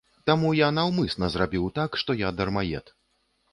Таму я наўмысна зрабіў так, што я дармаед.